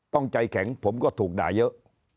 ต้องใจแข็งผมก็ถูกด่าเยอะ